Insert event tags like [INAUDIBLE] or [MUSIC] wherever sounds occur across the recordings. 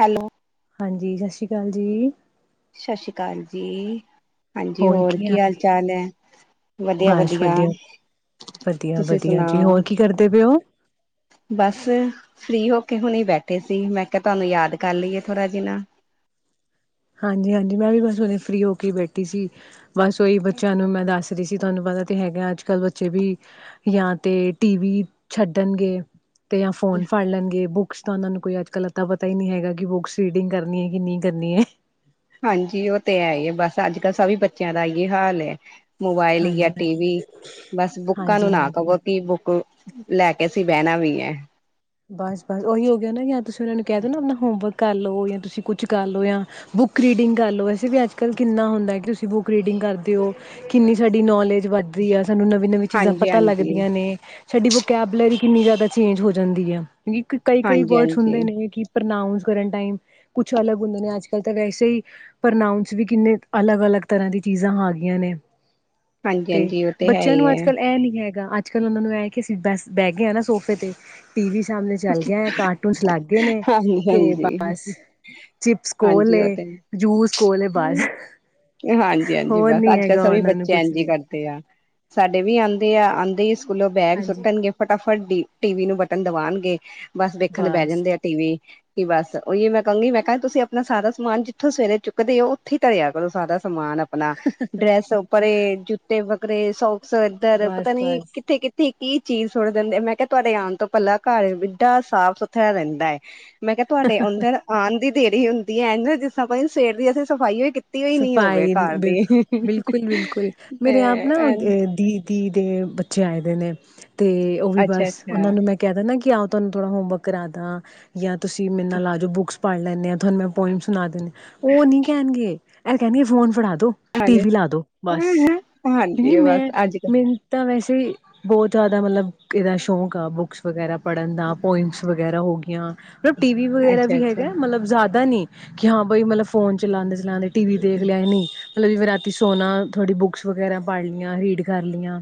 Hello. ਹਾਂਜੀ ਸਸ਼੍ਰੀ ਅਕਾਲ ਜੀ। ਸਸ਼੍ਰੀ ਅਕਾਲ ਜੀ, ਹਾਂਜੀ ਹੋਰ ਕੀ ਹਾਲ ਚਾਲ ਐ ਵਦੀਆਂ ਬਸ ਵਦੀਆ ਵਧੀਆ, ਵਧੀਆ, ਤੁਸੀਂ ਵਧੀਆ ਜੀ। ਸੁਨਾਓ। ਹੋਰ ਕੀ ਕਰਦੇ ਪਏ ਓ? ਬਸ ਫ੍ਰੀ ਹੋ ਕੇ ਹੁਨੇ ਬੈਠੇ ਸੀ। ਮੈਂ ਕਿਹਾ ਤੁਹਾਨੂੰ ਯਾਦ ਕਰ ਲਈਏ ਥੋੜ੍ਹਾ ਜਿਨਾਂ ਹਾਂਜੀ ਹਾਂਜੀ, ਮੈਂ ਵੀ ਬਸ ਹੁਨੇ ਫ੍ਰਰੀ ਹੋ ਕੇ ਬੈਠੀ ਸੀ। ਬਸ ਉਹੀ ਬੱਚਿਆਂ ਨੂੰ ਮੈਂ ਦੱਸ ਰਹੀ ਸੀ, ਤੁਹਾਨੂੰ ਪਤਾ ਤੇ ਹੈਗਾ ਅੱਜ ਕੱਲ੍ਹ ਬੱਚੇ ਵੀ। ਯਾ ਤੇ ਟੀਵੀ ਛੱਡਣਗੇ ਤੇ ਯਾ ਫੋਨ ਫੜ ਲੇਨਗੇ ਬੁੱਕ ਬੁਕਸ ਤਾਂ ਉਹਨਾਂ ਨੂੰ ਕੋਈ ਅੱਜ ਕੱਲ ਪਤਾ ਈ ਨਹੀਂ ਹੈਗਾ ਕਿ ਬੁੱਕਸ ਰੀਡਿੰਗ ਕਰਨੀ ਐ ਕਿ ਨਹੀਂ ਕਰਨੀ ਐ ਹਾਂਜੀ ਉਹ ਤੇ ਹੈ ਈ ਐ ਬਸ ਅੱਜ ਕੱਲ ਸਬੀ ਬੱਚਿਆਂ ਦਾ ਆਈ ਹਾਲ ਐ ਮੋਬਾਇਲ ਯਾ ਹਾਂਜੀ, ਹਾਂਜੀ, ਟੀ-ਵੀ ਬਸ ਬੁੱਕਾਂ ਨੂੰ ਹਾਂਜੀ, ਨਾ ਹਾਂਜੀ। ਕਵੋ ਕਿ ਬੁੱਕ ਲੈ ਕੇ ਅਸੀਂ ਬਹਿਨਾ ਵੀ ਐ ਬਸ ਬਸ ਉਹੀ ਹੋ ਗਿਆ ਨਾ ਯਾ ਤੁਸੀਂ ਉਹਨਾਂ ਨੂੰ ਕਹਿ ਦੋ ਨਾ ਅਪਨਾ ਹੋਮਵਰਕ ਕਰ ਲਓ ਯਾ ਤੁਸੀਂ ਕੁਛ ਕਰ ਲਓ ਯਾ ਬੁੱਕ ਰੀਡਿੰਗ ਕਰ ਲਓ ਵੈਸੇ ਵੀ ਅੱਜ ਕੱਲ੍ਹ ਕਿੰਨਾ ਹੁੰਦਾ ਕਿ ਤੁਸੀਂ ਬੁੱਕ ਰੀਡਿੰਗ ਕਰਦੇ ਔ ਕਿੰਨੀ ਸਾਡੀ ਨੌਲੇਜ ਵੱਧ ਯਾ ਸਾਨੂੰ ਨਵੀਂ-ਨਵੀਂ ਚੀਜ਼ਾਂ ਹਾਂਜੀ ਪਤਾ ਹਾਂਜੀ ਲੱਗਦੀਆਂ ਨੇ ਸਾਡੀ ਵੋਕੈਬਲਰੀ ਕਿੰਨੀ ਜ਼ਿਆਦਾ ਚੇਂਜ ਹੋ ਜਾਂਦੀ ਆ। ਕਿ ਕਈ ਕਈ ਹਾਂਜੀ ਵਰਡਸ ਹਾਂਜੀ ਹੁੰਦੇ ਨੇ ਕਿ ਪ੍ਰਨਾਊਸ ਕਰਨ ਟਾਈਮ ਕੁਛ ਅਲੱਗ ਹੁੰਦੇ ਨੇ ਅੱਜ-ਕੱਲ ਤਾਂ ਵੈਸੇ ਈ ਪਰਨਾਊਸ ਵੀ ਕਿੰਨੇ ਅਲੱਗ-ਅਲੱਗ ਤਰ੍ਹਾਂ ਦੀ ਚੀਜ਼ਾਂ ਆ ਗਈਆਂ ਨੇ। ਹਾਂਜੀ ਤੇ ਹਾਂਜੀ ਉਹ ਹੈ ਬੱਚੇਆਂ ਹੀ ਨੂੰ ਅੱਜ ਕੱਲ੍ਹ ਹੈ ਇਹ ਨੀ ਹੈਗਾ ਆ ਅੱਜ ਕੱਲ ਉਹਨਾਂ ਨੂੰ ਐ ਕਿ ਅਸੀਂ ਬਸ ਬਹਿ ਗੇ ਆ ਨਾ ਸੋਫੇ ਤੇ ਟੀ ਵੀ ਸਾਹਮਨੇ ਚੱਲ ਗਿਆ ਕਾਰਟੂਨਸ ਲੱਗ ਗਏ ਨੇ ਹਾਂਜੀ ਤੇ ਹਾਂਜੀ ਬਸ ਚਿਪਸ ਕੋਲ ਹਾਂਜੀ ਉਹ ਏ ਤੇ ਜੂਸ ਕੋਲ ਏ ਬਸ। ਹਾਂਜੀ ਹਾਂਜੀ ਹੋਰ ਬਸ ਨੀ ਅੱਜ ਕੱਲ੍ਹ ਹੈਗਾ ਸਬੀ ਉਹਨਾਂ ਨੂੰ ਬੱਚੇ ਕੁਛ ਐਂਜ ਈ ਵੀ ਕਰਦੇ ਆ। ਸਾਡੇ ਵੀ ਆਂਦੇ ਆ ਆਂਦੇ ਹੀ ਸਕੂਲੋਂ ਬੈਗ ਹਾਂਜੀ ਸੁੱਟਨਗੇ ਫਟਾਫਟ ਡੀ ਟੀ ਵੀ ਨੂੰ ਬਟਨ ਦਬਾਨਗੇ। ਬਸ ਦੇਖਨ ਬਹਿ ਬਸ ਜਾਂਦੇ ਆ ਟੀ ਵੀ। ਕਿ ਬਸ ਉਹੀੳ ਮੈਂ ਕਹੂੰਗੀ ਮੈਂ ਕਿਹਾ ਤੁਸੀਂ ਅਪਨਾ ਸਾਰਾ ਸਮਾਨ ਜਿੱਥੋਂ ਸਵੇਰੇ ਚੁੱਕਦੇ ੳ ਉੱਥੇ ਹੀ ਧਰਿਆ ਕਰੋ ਸਾਰਾ ਸਮਾਨ ਅਪ। ਅਪਨਾ ਡਰੈਸ ਪਰੇ ਜੁੱਤੇ ਵਕਰੇ ਸੋਕਸ ਏਧਰ ਪਤਾ ਬਸ ਨੀ ਬਸ ਕਿੱਥੇ ਕਿੱ ਕੀ ਚੀਜ਼ ਸੁੱਟ ਦਿੰਦੇ ਆ ਮੈਂ ਕਿਹਾ ਤੁਹਾਡੇ ਆਣ ਤੋਂ ਪਹਿਲਾ ਘਰ ਐਡਾ ਸਾਫ ਸੁਥਰਾ ਰਹਿੰਦਾ। ਮੈਂ ਕਿਹਾ ਤੁਹਾਡੇ ਅੰਦਰ ਆਨ ਦੀ ਦੇਰੀ ਹੁੰਦੀ ਏ ਐਂਜ ਜਿਸਰਾ ਪਤਾ ਨੀ ਸਵੇਰ ਦੀ ਅਸੀਂ ਸਫ਼ਾਈੳ ਕੀਤ- ਸਫ਼ਾਈ ਬਿਲੁ ਬਿਲਕੁਲ ਬਿਲਕੁਲ ਤੇ ਮੇਰੇ ਆਪ ਨਾ ਦੀ ਧੀ ਦੇ ਬੱਚੇ ਆਏ ਦੇ ਨੇ ਤੇ ਉਹ ਵੀ ਅੱਛਾ ਬਸ ਅੱਛਾ ਉਹਨਾਂ ਨੂੰ ਮੈਂ ਕਹਿ ਦਾ ਨਾ ਕਿ ਆਓ ਤੁਹਾਨ ਥੋੜਾ ਹੋਮਵਰਕ ਕਰਾਦਾਂ ਯਾ ਤੁਸੀਂ ਮੇਰੇ ਨਾਲ ਆ ਜਾਓ ਬੁੱਕਸ ਪੜ੍ਹ ਲੈਂਨੈ ਆ ਤੁਹਾਨ ਮੈਂ ਪੋਇਮ ਸੁਨਾ ਦਿੰਨੀ ਉਹ ਨਹੀ ਕਹਿਨਗੇ ਏਹ ਕਹਿਨਗੇ ਫੋਨ ਫੜਾ ਦੋ। ਟੀ ਹਾਂਜੀ ਵੀ ਲਾ ਦੋ ਬਸ ਕਿਉਂਕਿ ਹਾਂਜੀ ਬਸ ਮੈਂ ਅੱਜ ਕੱਲ ਮੈਨ ਤਾਂ ਵੈਸੇ ਬੋਤ ਜੈਦਾ ਮਤਲਬ ਇਹਦਾ ਸ਼ੌਂਕ ਆ ਬੁੱਕਸ ਵਗੈਰਾ ਪੜ੍ਹਨ ਦਾ ਪੋਇਮਸ ਵਗੈ ਵਗੈਰਾ ਹੋਗੀਆਂ ਮਤਲਬ ਟੀ ਵੀ ਵਗੈਰਾ ਅੱਛਾ ਵੀ ਅੱਛਾ ਹੈਗਾ ਮਲਬ ਜੈਦਾ ਨੀ ਕਿ ਹਾਂ ਬਈ ਮਲਬ ਫੋਨ ਚਲਾਂਦੇ ਚਲਾਂਦੇ ਟੀ ਵੀ ਦੇਖ ਲਿਆ ਨਹੀਂ। ਜਿਵੇੈਂ ਰਾਤੀ ਸੋਨਾ ਥੋੜ੍ਹੀ ਬੁੱਕਸ ਵਗੈਰਾ ਪੜ੍ਹ ਲਿਆਂ ਰੀਡ ਕਰ ਲਿਆਂ।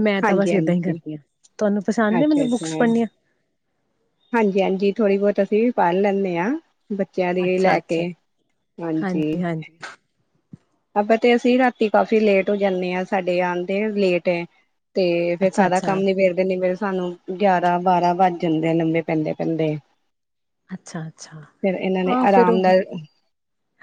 ਮੈਂ ਤਾਂ ਬਸ ਹਾਂਜੀ ਏਦਾਂ ਹੀ ਹਾਂਜੀ ਕਰਦੀ ਹਾਂ ਤੁਹਾਨੂੰ ਪਸੰਦ ਏ ਅੱਛਾ ਮੈਨੂੰ ਅੱਛਾ ਬੁੱਕਸ ਪੜ੍ਹਨੀਆਂ। ਹਾਂਜੀ ਹਾਂਜੀ ਥੋੜ੍ਹੀ ਬੋਤ ਅਸੀਂ ਵੀ ਪੜ੍ਹ ਲੈਂਨੈ ਆ। ਬੱਚੇਆਂ ਦੀ ਅੱਛਾ ਲੈ ਕੇ ਅੱਛਾ ਹਾਂਜੀ। ਅਬਲ ਤੇ ਅਸੀਂ ਰਾਤੀ ਕਾਫੀ ਲੇਟ ਹੋ ਜਾਂਨੇ ਆ ਸਾਡੇ ਆਂਦੇ ਲੇਟ ਐ। ਤੇ ਫੇਰ ਅੱਛਾ ਸਾਰਾ ਅੱਛਾ ਕੰਮ ਨਿਬੇੜਦੇ ਨਿਬੇੜਦੇ ਸਾਨੂੰ ਗਿਆਰਾਂ ਬਾਰਾਂ ਵੱਜ ਜਾਂਦੇ ਆ ਲੰਬੇ ਪੈਂਦੇ ਪੈਂਦੇ ਅੱਛਾ ਅੱਛਾ ਤੇ ਫੇਰ ਇਹਨਾਂ ਨੇ ਹਾਂ ਫਿਰ ਅਰਾਮ ਉਹ ਨਾਲ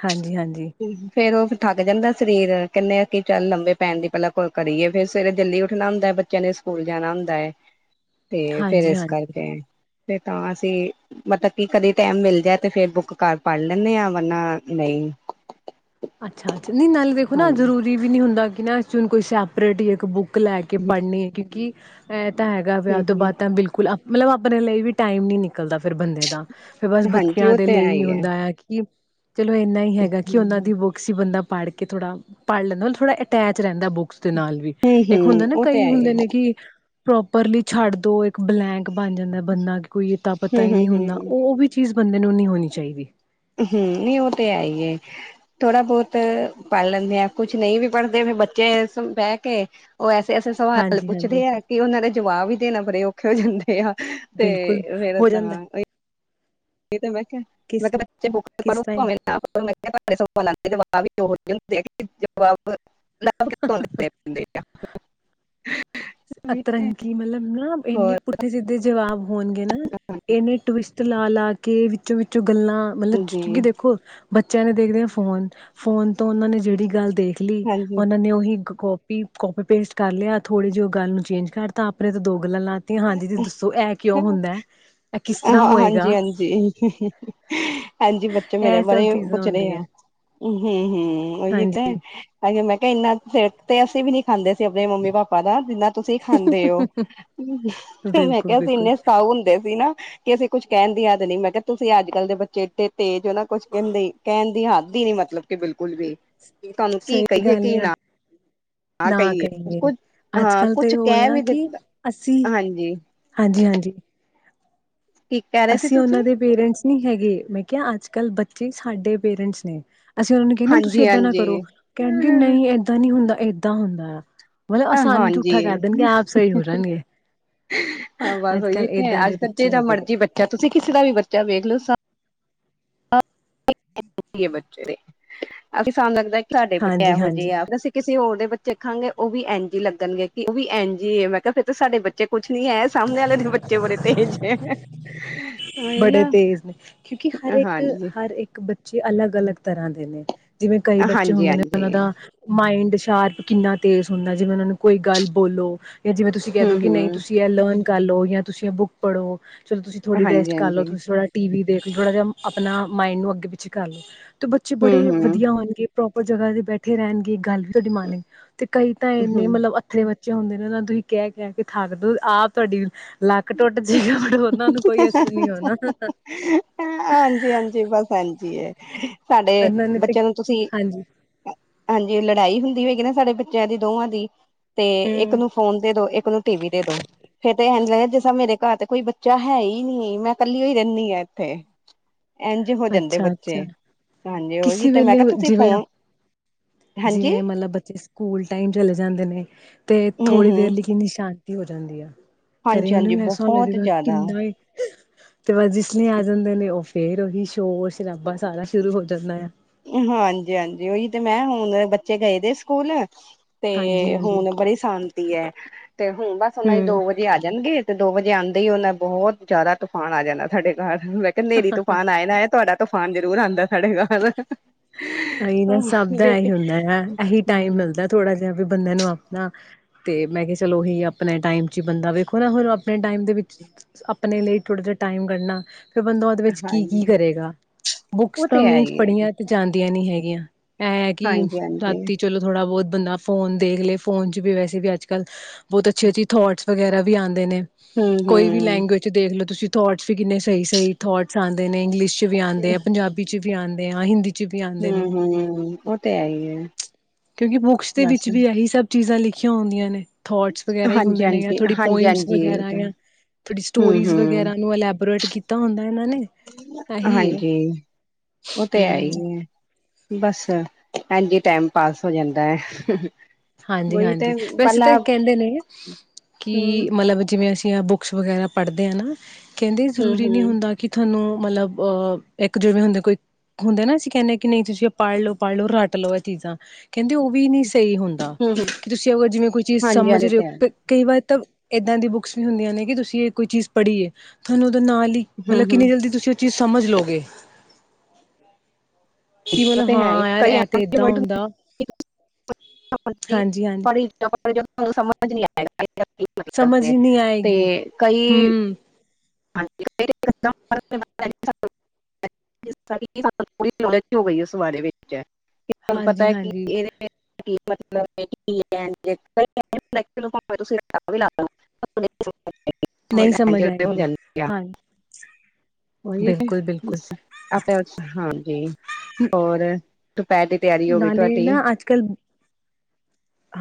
ਹਾਂਜੀ ਹਾਂਜੀ ਫੇਰ ਉਸ ਥੱਕ ਜਾਂਦਾ ਸਰੀਰ ਕਹਿੰਨੇ ਆ ਕਿ ਚੱਲ ਲੰਬੇ ਪੈਨ ਦੀ ਪਹਿਲਾਂ ਕੋਲ ਕਰੀਏ ਫੇਰ ਸਵੇਰੇ ਜਲਦੀ ਉੱਠਨਾ ਹੁੰਦਾ ਬੱਚੇਆਂ ਨੇ ਸ ਸਕੂਲ ਜਾਨਾ ਹੁੰਦਾ ਹੈ ਤੇ ਫੇਰ ਹਾਂਜੀ ਏਸ ਹਾਂਜੀ ਕਰਕੇ ਤੇ ਤਾਂ ਅਸੀਂ ਮਤਬ ਕੀ ਕਦੇ ਟਾਇਮ ਮਿਲ ਜਾਏ ਤੇ ਫੇਰ ਬੁੱਕ ਕਰ ਪੜ ਲੈਂਨੇ ਆ ਵਰਨਾ ਨਈ। ਅੱਛਾ ਅੱਛਾ ਨਈ ਨਾਲੇ ਵੇਖੋ ਨਾ ਹਾਂਜੀ ਜ਼ਰੂਰੀ ਵੀ ਨੀ ਹੁੰਦਾ ਕਿ ਨਾ ਅਸੀਂ ਹੁਨ ਕੋਈ ਸੈਪਰੇਟ ਇੱਕ ਬੁੱਕ ਲੈ ਕੇ ਪੜ੍ਹਨੀ ਹੈ ਕਿਉਂਕਿ ਇਹ ਤਾਂ ਹੈਗਾ ਹਮ ਵਿਆਹ ਤੋਂ ਬਾਅਦ ਹਮ ਤਾਂ ਬਿਲਕੁਲ ਮਲਬ ਅਪਨੇ ਲਈ ਵੀ ਟਾਈਮ ਨੀ ਨਿਕਲਦਾ ਫੇਰ ਬੰਦੇ ਦਾ ਤੇ ਬਸ ਹਾਂਜੀ ਬੱਚੇਆਂ ਉਹ ਦੇ ਤੇ ਹੈ ਲਈ ਹੀ ਹੈ ਹੁੰਦਾ ਆ ਕਿ ਚਲੋ ਇੰਨਾ ਹੀ ਹੈਗਾ ਕਿ ਉਹਨਾਂ ਹਮ ਦੀ ਬੁ ਬੰਦਾ ਪੜ੍ਹ ਕੇ ਥੋੜਾ ਪੜ੍ਹ ਲੈਂਦਾ ਮਤਲਬ ਥੋੜਾ ਅਟੈਚ ਰੇਹੰਦਾ ਬੁੱਕਸ। ਦੇ ਨਾਲ ਵੀ ਏਕ ਹਮ ਹੁੰਦਾ ਨਾ ਉਹ ਤੇ ਕਈ ਹੈ ਹੀ ਹੁੰਦੇ ਹੈ ਨੇ ਕਿ ਪ੍ਰੋਪਰਲੀ ਛੱਡ ਦੋ ਇੱਕ ਬਲੈਂਕ ਬਨ ਜਾਂਦਾ ਬੰਦਾ ਕੀ ਕੋਈ ਅਤਾਂ ਪਤਾ ਹਮ ਹੀ ਨਹੀਂ ਹਮ ਹੁੰਦਾ ਹਮ ਉਹ ਵੀ ਚੀਜ਼ ਬੰਦੇ ਨੂੰ ਨਹੀਂ ਹੋਨੀ ਚਾਹੀਦੀ। ਹੁ ਨਹੀਂ ਉਹ ਤੇ ਹੈ ਈ ਏ। ਥੋੜ੍ਹਾ ਬੋਤ ਪੜ੍ਹ ਲੈਂਨੇ ਆ ਕੁਛ ਨਹੀਂ ਵੀ ਪੜ੍ਹਦੇ ਫੇ ਬੱਚੇ ਬਹਿ ਕੇ ਉਹ ਐਸੇ-ਐਸੇ ਸਵਾਲ ਹਾਂਜੀ-ਹਾਂਜੀ ਪੁੱਛਦੇ ਆ ਕਿ ਉਹਨਾਂ ਦੇ ਜਵਾਬ ਈ ਦੇਨਾ ਬੜੇ ਔਖੇ ਹੋ ਜਾਂਦੇ। ਤੇ ਹਾਂ ਤੇ ਬਿਲਕੁਲ ਫਿਰ ਹੋ ਤਾਂ ਜਾਂਦਾ। ਉ [UNINTELLIGIBLE] ਇਹ ਤਾਂ ਮੈਂ ਕਿਹਾ [INAUDIBLE] ਮੈਂ ਕਿਸ ਕਿਹਾ ਬੱਚੇ [UNINTELLIGIBLE] ਕਿਸ ਟਾਈਮ [UNINTELLIGIBLE] [UNINTELLIGIBLE] [UNINTELLIGIBLE] [UNINTELLIGIBLE] ਆ ਅਤਰੰਗੀ, ਮਤਲਬ ਨਾਂ ਇੰਨੇ ਹੋਰ ਪੁੱਠੇ ਸਿੱਧੇ ਦੇ ਜਵਾਬ ਹੋਣਗੇ ਨਾਂ, ਇਹਨੇ ਟਵਿਸਟ ਲਾ- ਲਾ ਕੇ ਵਿੱਚੋ-ਵਿੱਚੋਂ ਗੱਲਾਂ ਮਤਲਬ ਜੀ ਕੀ- ਕੀਦੇਖੋ, ਬੱਚਿਆਂ ਨੇ ਦੇਖਦੇ ਐ ਫੋਨ, ਫੋਨ ਤੋਂ ਉਹਨਾਂ ਨੇ ਜਿਹੜੀ ਗਲ ਦੇਖ ਲੀ, ਹਾਂਜੀ ਉਹਨਾਂ ਨੇਂ ਉਹੀ ਕੋਪੀ- ਕੋਪੀ ਪੇਸਟ ਕਰ ਲਿਆ ਥੋੜੇ ਜਿਹੇ ਗੱਲ ਨੂੰ ਚੇਂਜ ਕਰਤਾ, ਆਪਣੇ ਤੇ ਦੋ ਗੱਲਾਂ ਲਾ ਇਹ ਕਿਸ ਤਰ੍ਹਾਂ ਹੋਏਗਾ ਹਾਂਜੀ-ਹਾਂਜੀ। ਹਾਂਜੀ, ਬੱਚੇ ਮੇਰੇ ਇਹ ਸਭ ਬਾਰੇ ਚੀਜ਼ਾਂ ਪੁੱਛ ਰਹੇ ਆ, ਹੁੰਦੀਆਂ ਹਮ -ਹਮ ਉਹੀ ਤੇ। ਹਾਂਜੀ ਹਾਂ ਮੈਂ ਕਿਹਾ ਇੰਨਾ ਸਿਰ ਤੇ ਅਸੀਂ ਵੀ ਨਹੀਂ ਖਾਂਦੇ ਸੀ, ਆਪਣੇ ਮੰਮੀ-ਪਾਪਾ ਦਾ, ਜਿੰਨਾਂ ਤੁਸੀਂ ਖਾਂਦੇ ਹੋ। ਮੈਂ ਬਿਲਕੁਲ ਕਿਹਾ ਅਸੀ ਬਿਲਕੁਲ ਇੰਨੇ ਸਾਓ ਹੁੰਦੇ ਸੀ ਨਾਂ ਕਿ ਅਸੀਂ ਕੁੱਛ ਕਹਿਣ ਦੀ ਯਾਦ ਨਹੀਂ, ਮੈਂ ਕਿਹਾ ਤੁਸੀਂ ਅੱਜ-ਕੱਲ੍ਹ ਦੇ ਬੱਚੇ ਏਡੇ ਤੇਜ ਹੋ ਨਾਂ ਕੁੱਛ ਕਹਿੰਦੇ ਕਹਿਣ ਦੀ ਹੱਦ ਹੀ ਨੀਂ ਮਤਲਬ ਕਿ ਬਿਲਕੁਲ ਵੀ, ਤੁਹਾਨੂੰ ਕੀ ਕਹੀਏ ਕੀ ਨਾਂ ਨਾਂ ਕਹੀਏ, ਹਾਂ ਅੱਜ-ਕੱਲ੍ਹ ਤਾਂ ਕੁਛ ਇਹ ਕਹਿ ਹੋਇਆ ਵੀ ਕਿ ਦਿੱਤਾ ਅਸੀ ਹਾਂਜੀ ਹਾਂਜੀ-ਹਾਂਜੀ। ਕੀ ਕਹਿ ਰਹੇ ਸੀ ਅਸੀਂ ਉਹਨਾਂ ਤੁਸੀਂ ਦੇ ਪੇਰੈਂਟਸ ਨਹੀਂ ਹੈਗੇ। ਮੈਂ ਕਿਹਾ ਅੱਜ-ਕੱਲ੍ਹ ਬੱਚੇ ਸਾਡੇ ਪੇਰੈਂਟਸ ਨੇਂ। ਅਸੀਂ ਉਹਨਾ ਨੂੰ ਕਹੀਏ ਤੁਸੀਂ ਏਦਾਂ ਨਾਂ ਹਾਂਜੀ-ਹਾਂਜੀ ਕਰੋ, ਕਹਿਣਗੇ ਨਹੀਂ ਏਦਾਂ ਨੀਂ ਹੁੰਦਾ ਏਦਾਂ ਹੁੰਦਾ ਆ। ਮਤਲਬ ਸਾਨੂੰ ਹਾਂਜੀ। ਝੂਠਾ ਕਰ ਦੇਣਗੇ ਆਪ ਸਹੀ ਹੋ ਜਾਣਗੇ ਹਾਂ ਬਸ ਅੱਜ ਉਹੀ, ਕੱਲ੍ਹ ਇੱਥੇ ਏਦਾਂ ਦੇ ਅੱਜ-ਕੱਲ੍ਹ ਜੇ ਬੱਚੇ ਹੋ ਗਏ ਮਰਜ਼ੀ ਬੱਚਾ, ਤੁਸੀਂ ਕਿਸੇ ਦਾ ਵੀ ਬੱਚਾ ਵੇਖ ਲਓ ਅਤ ਚੁਕੀ ਬੱਚੇ ਨੇ, ਅਸੀਂ ਸਾਨੂੰ ਲੱਗਦਾ ਸਾਡੇ ਬੱਚੇ ਇਹੋ ਹਾਂਜੀ-ਹਾਂਜੀ ਜਿਹੇ ਆ ਫਿਰ ਅਸੀਂ ਕਿਸੇ ਹੋਰ ਦੇ ਬੱਚੇ ਦੇਖਾਂਗੇ, ਉਹ ਵੀ ਐਨ ਜੀ ਲੱਗਣਗੇ, ਕਿ ਉਹ ਵੀ ਐਨ ਜੀ ਏ, ਮੈਂ ਕਿਹਾ ਫਿਰ ਸਾਡੇ ਬੱਚੇ ਕੁੱਛ ਨੀਂ ਹੈ। ਸਾਹਮਣੇ ਵਾਲੇ ਦੇ ਬੱਚੇ ਬੜੇ ਤੇਜ ਹੈ। ਉਹੀ ਬੜੇ ਨਾ ਤੇਜ਼ ਨੇਂ, ਕਿਉਂਕਿ ਹਰ ਹਾਂਜੀ ਇੱਕ-ਹਰ ਇੱਕ ਬੱਚੇ ਜੀ ਅਲੱਗ-ਅਲੱਗ ਤਰ੍ਹਾਂ ਦੇ ਨੇਂ, ਜਿਵੇਂ ਕਈ ਬੱਚੇ ਹਾਂਜੀ ਹੁੰਦੇ ਨੇਂ ਹਾਂਜੀ ਉਹਨਾਂ ਦਾ ਮਾਇੰਡ ਸ਼ਾਰਪ ਕਿੰਨਾ ਤੇਜ਼ ਹੁੰਦਾ, ਜਿਵੇਂ ਉਹਨਾਂ ਨੂੰ ਕੋਈ ਗੱਲ ਬੋਲੋ ਜਾਂ ਜਿਵੇਂ ਤੁਸੀਂ ਕਹਿ ਹੂੰ ਦੋ ਕਿ ਨਹੀਂ ਤੁਸੀਂ ਹੂੰ ਜਾਂ ਲਰਨ ਕਰਲੋ, ਜਾਂ ਤੁਸੀਂ ਬੁੱਕ ਪੜੋ, ਚਲੋ ਤੁਸੀਂ ਥੋੜੀ ਰੈਸਟ ਹਾਂਜੀ ਕਰ ਲੋੋ, ਹਾਂਜੀ ਤੁਸੀਂ ਥੋੜਾ ਟੀ ਵੀ ਦੇਖ ਲੋ, ਥੋੜਾ ਜਿਹਾ ਆਪਣਾ ਮਾਇੰਡ ਨੂੰ ਅੱਗੇ ਪਿੱਛੇ ਕਰ ਲੋ, ਤੇ ਬੱਚੇ ਹੂੰ ਬੜੇ ਵਧੀਆ ਹੂੰ ਹੋਣਗੇ। ਪ੍ਰੋਪਰ ਜਗ੍ਹਾ ਤੇ ਬੈਠੇ ਰਹਿਣਗੇ, ਗੱਲ ਵੀ ਤੁਹਾਡੀ ਮੰਨ, ਤੇ ਕਈ ਤਾਂ ਇੰਨੇ ਹੂੰ ਮਤਲਬ ਤੇ ਬੱਚੇ ਹੁੰਦੇ ਨੇ, ਉਹ ਨੂੰ ਤੁਸੀਂ ਕਹਿ-ਕਹਿ ਕੇ ਥਕ ਦੋ, ਆਪ ਤੁਹਾਡੀ ਲੱਕ ਟੁੱਟ ਜੇ ਗਾ, ਬਟ ਉਹਨਾਂ ਨੂੰ ਕੋਈ ਅਸਰ ਨੀਂ ਹੋਣਾ। ਹਾਂਜੀ-ਹਾਂਜੀ ਬਸ ਐਂਜ ਈ ਏ, ਸਾਡੇ ਇਹਨਾਂ ਨੇ ਤੇ ਬੱਚਿਆਂ ਨੂੰ ਤੁਸੀਂ ਹਾਂਜੀ ਹਾਂਜੀ, ਲੜਾਈ ਹੁੰਦੀ ਹੈਗੀ ਨਾਂ ਸਾਡੇ ਬੱਚਿਆਂ ਦੀ ਦੋਵਾਂ ਦੀ ਤੇ ਇੱਕ ਨੂੰ ਫੋਨ ਦੇ ਦੋ, ਇੱਕ ਨੂੰ ਟੀ ਵੀ ਦੇ ਦੋ, ਫੇਰ ਤੇ ਇਹ ਇੰਝ ਲੱਗਿਆ ਜਿਸ ਤਾਂ ਮੇਰੇ ਘਰ ਤੇ ਕੋਈ ਬੱਚਾ ਹੈ ਹੀ ਨਹੀਂ, ਮੈਂ ਕੱਲੀਓ ਹੀ ਰਹਿੰਦੀ ਆ ਇੱਥੇ। ਇੰਝ ਹੋ ਜਾਂਦੇ ਅੱਛਾ ਬੱਚੇ, ਅੱਛਾ ਹਾਂਜੀ ਓਹੀ ਕਿਸੇ ਤੇ ਮੈਂ ਵੇਲੇ ਕਿਹਾ ਤੁਸੀਂ ਜਿਵੇਂ ਫੋਨ ਹਾਂਜੀ ਜਿਵੇਂ ਮਤਲਬ ਬੱਚੇ ਸਕੂਲ ਟਾਈਮ ਚਲੇ ਜਾਂਦੇ ਨੇਂ, ਤੇ ਹੂੰ ਥੋੜ੍ਹੀ ਦੇਰ ਹੂੰ ਲਈ ਕਿੰਨੀ ਸ਼ਾ ਹੋ ਜਾਂਦੀ ਆ, ਘਰੇ ਹਾਂਜੀ ਮੈਨੂੰ ਹਾਂਜੀ ਵੀ ਐਸਾ ਬਹੁਤ ਲੱਗੇਗਾ ਕਿ ਜ਼ਿਆਦਾ ਕਿੰਨਾ ਈ ਤੇ ਬਸ ਜਿਸ ਲਈ ਆ ਜਾਂਦੇ ਨੇਂ, ਉਹ ਫੇਰ ਉਹੀ ਸ਼ੋਰ-ਸ਼ਰਾਬਾ ਸਾਰਾ ਸ਼ੁਰੂ ਹੋ ਜਾਂਦਾ ਆ। ਹਾਂਜੀ-ਹਾਂਜੀ ਉਹੀ ਤੇ ਮੈਂ ਹੁਣ ਬੱਚੇ ਗਏ ਦੇ ਸਕੂਲ ਹਾਂਜੀ ਤੇ ਹਾਂਜੀ ਹੁਣ ਬੜੀ ਸ਼ਾਂਤੀ ਹੈ, ਤੇ ਹੁਣ ਬਸ ਉਹਨਾਂ ਦੀ ਦੋ ਵ ਤੇ ਆ ਜਾਣਗੇ, ਤੇ ਦੋ ਵਜੇ ਆਉਂਦੇ ਹੀ ਉਹਨਾਂ ਬਹੁਤ ਜ਼ਿਆਦਾ ਤੂਫਾਨ ਆ ਜਾਂਣਾ ਸਾਡੇ ਘਰ। ਨੇਰੀ ਤੂਫਾਨ ਆਏ ਨਾ ਆਏ ਤੁਹਾਡਾ ਤੂਫਾਨ ਜ਼ਰੂਰ ਆਉਂਦਾ ਸਾਡੇ ਘਰ ਹੀ ਨਾ ਸਭ ਦਾ ਬੇਟੀ ਇਹੀ ਹੁੰਦਾ ਆ, ਇਹੀ ਟਾਈਮ ਹਮ ਮਿਲਦਾ ਥੋੜਾ ਜਿਹਾ ਵੀ ਬੰਦਿਆਂ ਨੂੰ ਆਪਣਾ ਤੇ ਮੈਂ ਕਿਹਾ ਚਲੋ ਉਹੀ ਆਪਣੇ ਟਾਈਮ ਚ ਬੰਦਾ ਵੇਖੋ ਨਾ ਹੁਣ ਆਪਣੇ ਟਾਈਮ ਦੇ ਵਿੱਚ ਆਪਣੇ ਲਈ ਥੋੜ੍ਹਾ ਜਿਹਾ ਟਾਈਮ ਕੱਢਣਾ। ਫਿਰ ਬੰਦਾ ਉਹਦੇ ਵਿੱਚ ਕੀ- ਕੀ ਹਾਂਜੀ ਕਰੇਗਾ, ਬੁੱਕਸ ਉਹ ਤਾਂ ਤੇ ਹੈ ਮੀਨਸ ਹੀ ਹੈ ਪੜ੍ਹੀਆਂ ਜਾਂਦੀਆਂ ਨਹੀ ਹੈਗੀਆਂ। ਐ ਕੀ ਹਾਂਜੀ ਹਾਂਜੀ ਰਾਤੀ ਚਲੋ ਥੋੜ੍ਹਾ ਬੋਤ ਬੰਦਾ ਫੋਨ ਦੇਖ ਲਏ ਫੋਨ ਚ ਵੀ ਵੈਸੇ ਵੀ ਅੱਜ ਕੱਲ ਬਹੁਤ ਅੱਛੀ-ਅੱਛੀ ਥੋਟਸ ਵਗੈਰਾ ਵੀ ਅੰਦਰ ਨੇ। ਹਮ ਕੋਈ ਵੀ ਹਮ ਲੈਂਗੁਏਜ ਦੇਖਲ ਤੁਸੀਂ ਥੋਟਸ ਕਿੰਨੇ ਸਈ-ਸਈ ਆਂਦੇ ਨੇ ਇੰਗਲਿਸ਼ ਚ ਵੀ ਆਂਦੇ ਆ, ਪੰਜਾਬੀ ਚ ਵੀ ਆਂਦੇ ਆ ਹਿੰਦੀ ਚ ਵੀ ਆਂਦੇ ਨੇ ਹਮ ਹਮ ਉਹ ਤੇ ਹੈ ਹੀ ਹੈ ਕਿਉਂਕੀ ਬੁਕਸ ਵਿੱਚ ਬਸ ਵੀ ਆਹੀ ਸਬ ਚੀਜ਼ਾਂ ਲਿਖੀਆਂ ਹੁੰਦੀਆਂ ਨੇ ਥੋਟਸ ਵਗੈਰਾ ਈ ਹਾਂਜੀ ਹੁੰਦੇ ਨੇ ਹਾਂਜੀ ਥੋੜੀ ਹਾਂਜੀ ਪੋਂਇੰਟਸ ਹਾਂਜੀ ਉਹ ਵਗੈਰਾ ਤੇ ਯਾਂ ਥੋੜੀ ਹਮ ਸਟੋਰੀਜ਼ ਹਮ ਵਗੈਰਾ ਨੂੰ ਅਲਬੋਰੇਟ ਕੀਤਾ ਹੁੰਦਾ ਏਨਾਂ ਨੇ ਇਹੀ ਏ ਹਾਂਜੀ ਓ ਤੇ ਹੈ ਈ ਹੂੰ ਏ ਬਸ ਏੰਜੀ ਟਾਈਮ ਹੋ ਜਾਂਦੈ। ਹਾਂਜੀ-ਹਾਂਜੀ ਵੈਸੇ ਤਾਂ ਕੈਂਦੇ ਨੇ ਕੀ ਹਮ ਮਤਲਬ ਜਿਵੇਂ ਅਸੀਂ ਬੁ ਬੁਕਸ ਵਗੈਰਾ ਪੜ੍ਹਦੇ ਆ ਨਾ ਕੈਂਦੇ ਏ ਹਮ ਜ਼ਰੂਰੀ ਨੀ ਹਮ ਹੁੰਦਾ ਕੀ ਥੋਨੂੰ ਮਤਲਬ ਅ ਇੱਕ ਜਿਵੇਂ ਹੁੰਦੇ ਕੋਈ ਹੁੰਦਾ ਨਾ ਅਸੀਂ ਕੈਨੇ ਆ ਕੀ ਨਈ ਤੁਸੀਂ ਪੜ ਲਓ ਪੜ੍ਹ ਲਓ ਰਟ ਲਓ ਐ ਚੀਜ਼ਾਂ ਕੈਂਦੇ ਓ ਵੀ ਨੀ ਸਈ ਹੁੰਦਾ। ਹਮ ਹਮ ਤੁਸੀ ਅਗ ਜਿਵੇਂ ਕੋਈ ਚੀਜ਼ ਹਾਂਜੀ ਸਮਜ ਹਾਂਜੀ ਉਹ ਰਿਓ ਤੇ ਹੈ ਕਈ ਵਾਰ ਤਾਂ ਏਦਾਂ ਦੀ ਬੁੱਕਸ ਵੀ ਹੁੰਦੀਆਂ ਨੇ ਕੀ ਤੁਸੀਂ ਏ ਕੋਈ ਚੀਜ਼ ਪੜ੍ਹੀਏ ਥੋਂਨੂੰ ਓਦਾ ਨਾਲ ਈ ਹਮ ਮਤਲਬ ਹਮ ਕਿੰਨੀ ਜਲਦੀ ਤੁਸੀਂ ਓ ਚੀਜ਼ ਸਮਝ ਲੋਓਗੇ ਕੀ [UNINTELLIGIBLE] ਉਹ ਮਤਲਬ ਤੇ ਹੈ ਹਾਂ ਯਾਰ ਕਈ ਐ ਤੇ ਏਦਾਂ ਹੁੰਦਾ। [INAUDIBLE] [INAUDIBLE] ਹਾਂਜੀ ਹਾਂਜੀ ਸਮਝ ਹੀ ਨਹੀਂ ਤੇ ਆਏਗੀ ਕਈ ਹਮ ਹਾਂਜੀ [INAUDIBLE] [INAUDIBLE] ਹਾਂਜੀ ਹਾਂਜੀ [INAUDIBLE] ਨਹੀਂ ਸਮਝ ਆਏਗੀ, [INAUDIBLE] ਹਾਂ ਓਹੀ ਤੇ ਬਿਲਕੁਲ-ਬਿਲਕੁਲ ਬੱਸ ਆਪ ਹਾਂਜੀ ਹੋਰ ਦੂਪੈਰ ਦੀ ਤਿਆਰੀ ਹੋ ਗਈ ਨਾਲੇ ਤੁਹਾਡੀ ਨਾ ਅਜ ਕੱਲ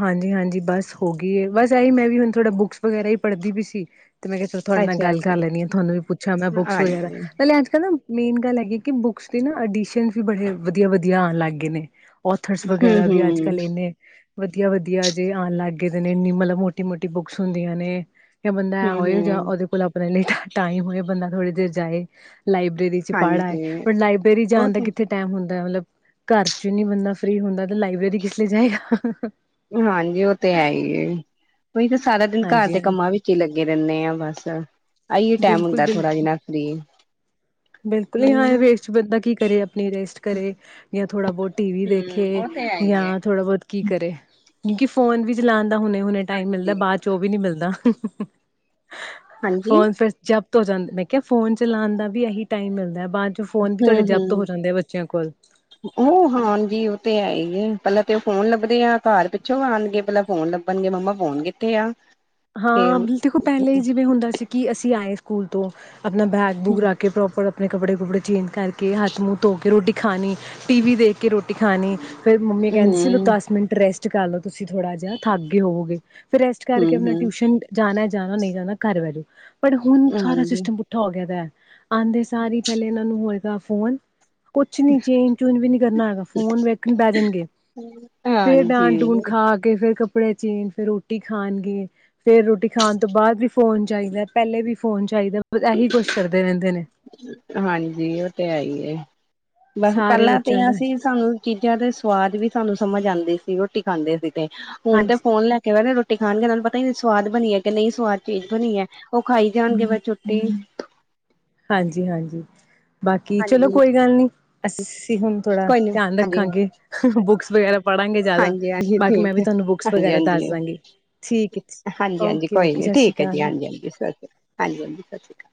ਹਾਂਜੀ-ਹਾਂਜੀ ਬਸ ਹੋ ਗਈ ਏ ਬਸ ਐਹੀ ਮੈਂ ਵੀ ਹੁਣ ਥੋੜ੍ਹਾ ਬੁੱਕਸ ਵਗੈਰਾ ਈ ਪੜ੍ਹਦੀ ਵੀ ਸੀ ਤੇ ਮੈਂ ਕਿਆ ਚਲ ਤੁਹਾਡੇ ਨਾਲ ਅੱਛਾ ਗੱਲ ਕਰ ਅੱਛਾ ਲੈਨੀ ਆ ਥੋਂਨੂੰ ਵੀ ਪੁੱਛਾਂ ਮੈਂ ਬੁੱਕਸ ਵਗੈਰਾ ਹਾਂਜੀ ਪੈਲੇ ਅੱਜ ਕੱਲ੍ਹ ਨਾ ਮੇਨ ਗੱਲ ਹੈਗੀ ਕੀ ਬੁਕਸ ਦੇ ਨਾ ਅਡੀਸ਼ਨ ਵੀ ਬੜੇ ਵਧੀਆ-ਵਧੀਆ ਆਨ ਲਾਗੇ ਨੇ ਓਥਰਸ ਹੂੰ ਵਗੈਰਾ ਵੀ ਅੱਜ ਹੂੰ ਕੱਲ ਏਨੇ ਵਧੀਆ-ਵਧੀਆ ਜੇ ਆਣ ਲੱਗ ਗਏਦੇ ਨੇ ਇੰਨੀ ਮਤਲਬ ਮੋ ਮੋਟੀ ਬੁੱਕਸ ਹੁੰਦੀਆਂ ਨੇ ਕੇ ਬੰਦਾ ਐ ਹੂੰ ਹੋਏ ਹੂੰ ਜਾਂ ਓਦੇ ਕੋਲ ਆਪਣੇ ਲਈ ਟਾਈਮ ਹੋਏ ਬੰਦਾ ਥੋੜੀ ਦੇਰ ਜਾਏ ਲਾਇਬ੍ਰੇਰੀ ਚ ਪੜ ਆਏ ਹਾਂਜੀ ਪਰ ਲਾਇਬ੍ਰੇਰੀ ਜਾਣ ਉਹ ਦਾ ਤੇ ਕਿੱਥੇ ਟੈਮ ਹੁੰਦੈ ਮਤਲਬ ਘਰ ਚ ਨੀ ਬੰਦਾ ਫਰੀ ਹੁੰਦਾ ਤੇ ਲਾਇਬ੍ਰੇਰੀ ਕਿਸ ਲਈ ਜਾਏਗਾ। ਹਾਂਜੀ ਉਹ ਤੇ ਹੈ ਈ ਏ ਓਹੀ ਤਾਂ ਸਾਰਾ ਦਿਨ ਘਰ ਹਾਂਜੀ ਦੇ ਹਾਂ ਕੰਮਾਂ ਵਿੱ ਚ ਈ ਲੱਗੇ ਰੈਨੇ ਆ ਬਸ ਆਈਏ ਟੈਮ ਬਿਲਕੁਲ ਹੁੰਦਾ ਥੋੜਾ ਬਿਲਕੁਲ ਜਿਨਾ ਫ੍ਰਰੀ ਬਿਲਕੁਲ ਹੀ ਹਾਂ ਏ [UNINTELLIGIBLE] ਚ ਬੰਦਾ ਕੀ ਕਰੇ ਆਪਣੀ ਰੇਸਟ ਕਰੇ ਯਾਂ ਥੋੜਾ ਬੋਤ ਟੀ ਵੀ ਹੂੰ ਦੇਖੇ ਉਹ ਤੇ ਹੈ ਹੀ ਹੈ ਯਾਂ ਥੋੜਾ ਬੋਤ ਕੀ ਕਰੇ ਕਿਉਂਕੀ ਫੋਨ ਵੀ ਚਲਾਣ ਦਾ ਹੁਣੇ-ਹੁਣੇ ਟਾਈਮ ਮਿਲਦਾ ਹਾਂਜੀ ਬਾਦ ਚੋ ਓਵੀ ਨੀ ਮਿਲਦਾ ਹਾਂਜੀ ਫੋਨ ਫਿਰ [UNINTELLIGIBLE] [UNINTELLIGIBLE] ਮੈਂ ਕਿਆ ਫੋਨ ਚਲਾਣ ਦਾ ਵੀ ਆਹੀ ਟਾਈਮ ਮਿਲਦਾ ਬਾਦ ਫੋਨ ਵੀ ਤੁਹਾਡੇ ਜਬਤ ਹੋ ਜਾਂਦੇ ਆ ਬੱਚਿਆਂ ਕੋਲ। ਓ ਹਾਂਜੀ ਓ ਤੇ ਹੈ ਹੀਏ ਪੈਲਾਂ ਤੇ ਓ ਫੋਨ ਲੱਭਦੇ ਆ ਘਰ ਪਿੱਛੋਂ ਆਣਗੇ ਪੈਲਾਂ ਫੋਨ ਲੱ ਬਣਗੇ ਮੰਮਾ ਫੋਨ ਕਿੱਥੇ ਆ? ਹਾਂ, ਫੇਰ [UNINTELLIGIBLE] ਦੇਖੋ ਪਹਿਲੇ ਜਿਵੇਂ ਹੁੰਦਾ ਸੀ ਕੀ ਅਸੀਂ ਆਏ ਸਕੂਲ ਤੋਂ ਆਪਣਾ ਬੈ ਬੂਕ ਹੂੰ ਰਖਕੇ ਪ੍ਰੋਪਰ ਆਪਣੇ ਕੱਪੜੇ-ਕੁੱਪੜੇ ਚੇਂਜ ਕਰਕੇ ਹੱਥ-ਮੂੰਹ ਧੋ ਕੇ ਰੋਟੀ ਖਾਣੀ। ਟੀ ਵੀ ਦੇਖ ਕੇ ਰੋਟੀ ਖਾਣੀ ਫਿਰ ਮੰਮੀ ਕਹਿੰਦੀ ਸੀ, ਚਲੋ ਦਸ ਮਿੰਟ ਰੈਸਟ ਕਰ ਲਓ ਤੁਸੀਂ ਥੋੜਾ ਜਿਹਾ, ਥੱਕ ਗੇ ਹੋਵੋਗੇ ਫਿਰ ਰੈਸਟ ਹੂੰ ਕਰਕੇ ਆਪਣਾ ਹੂੰ ਜਾਣਾ-ਜਾਣਾ, ਨੀ ਜਾਣਾ ਘਰ ਬੈ ਜੋ ਪਰ ਹੁਣ ਸਾਰਾ ਹਾਂਜੀ, ਸਿਸਟਮ ਪੁੱਠਾ ਹੋ ਗਿਆਦਾ। ਆਦੇ ਸਾਰੇ ਹੀ ਪਹਿਲੇ ਇਹਨਾਂ ਨੂੰ ਹੋਏਗਾ ਫੋਨ ਕੁਛ ਨੀ ਚੇਂਜ-ਚੂਂਜ ਵੀ ਨੀ ਕਰਨਾ ਹੈਗਾ ਫੋਨ ਵੇਖਣ ਬੈ ਜਾਣਗੇ। ਫੇਰ ਡਾਟ-ਡੁਟ ਹਾਂਜੀ, ਖਾ ਕੇ ਉਠਕੇ ਫਿਰ ਕੱਪੜੇ ਚੇਂਜ ਫਿਰ ਰੋਟੀ ਖਾਣਗੇ, ਫੇਰ ਰੋਟੀ ਖਾਣ ਤੋਂ ਬਾਦ ਵੀ ਫੋਨ ਚਾਹੀਦਾ। ਪਹਿਲੇ ਵੀ ਫੋਨ ਚਾਹੀਦਾ ਬਸ ਇਹੀ ਕੁਛ ਕਰਦੇ ਰਹਿੰਦੇ ਨੇ। ਹਾਂਜੀ, ਉਹ ਤੇ ਹੈ ਹੀ ਏ ਬਸ ਸਾਰੇ ਪਹਿਲਾਂ ਤੇ ਬੱਚਿਆਂ ਦਾ ਆਸੀ ਸਾਨੂੰ ਚੀਜ਼ਾਂ ਦੇ ਸਵਾਦ ਵੀ ਸਾਨੂੰ ਸਮਝ ਆਂਦੇ ਸੀ ਰੋਟੀ ਖਾਂਦੇ ਸੀ ਤੇ ਹੁਣ ਤੇ ਹਾਂਜੀ ਫੋਨ ਲੈ ਕਈ ਵਾਰੀ ਰੋਟੀ ਖਾਣਗੇ, ਤੇ ਇੰਨਾ ਨੂੰ ਪਤਾ ਨੀ ਸਵਾਦ ਬਣੀ ਹੈ ਕਿ ਨਹੀਂ ਸਵਾਦ ਚੇਂਜ ਬਣੀਏ। ਉ ਖਾਈ ਜਾਣਗੇ ਬਸ ਛੁਟੀ ਹਾਂਜੀ-ਹਾਂਜੀ। ਬਾਕੀ ਚਲੋ ਹਾਂਜੀ ਕੋਈ ਗੱਲ ਨੀ ਅਸੀਂ ਹੁਣ ਥੋੜਾ ਕੋਈ ਧਿਆਨ ਰੱਖਾਂਗੇ ਬੁੱਕਸ ਵਗੈਰਾ ਪੜ੍ਹਾਂਗੇ ਜ਼ਿਆਦਾ ਹਾਂਜੀ-ਹਾਂਜੀ ਬਾਕੀ ਠੀਕ ਮੈਂ ਵੀ ਹੈ, ਤੁਹਾਨੂੰ ਬੁੱਕਸ ਵਗੈਰਾ ਹਾਂਜੀ-ਹਾਂਜੀ। ਦੱਸ ਦਾਂਗੀ ਠੀਕ ਹੈ ਹਾਂਜੀ-ਹਾਂਜੀ, ਓਕੇ ਕੋਈ ਓਕੇ ਨੀ ਸਤਿ ਸ਼੍ਰੀ ਠੀਕ ਹੈ ਜੀ ਅਕਾਲ ਹਾਂਜੀ-ਹਾਂਜੀ, ਸਸ਼੍ਰੀ ਕਾਲ ਹਾਂਜੀ ਹਾਂ, ਸਸ਼੍ਰੀ ਕਾਲ।